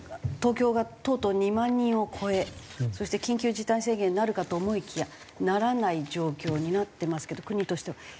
東京がとうとう２万人を超えそして緊急事態宣言になるかと思いきやならない状況になってますけど国としては。